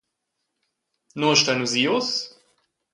Nua stuein nus ir uss?